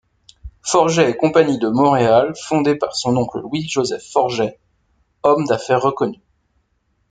Forget et Cie de Montréal, fondée par son oncle Louis-Joseph Forget, homme d'affaires reconnu.